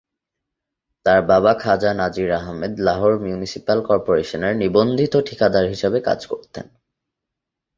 তার বাবা খাজা নাজির আহমেদ লাহোর মিউনিসিপ্যাল কর্পোরেশনে নিবন্ধিত ঠিকাদার হিসেবে কাজ করতেন।